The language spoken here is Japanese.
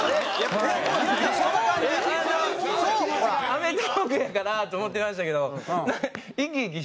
『アメトーーク』やからと思ってましたけど。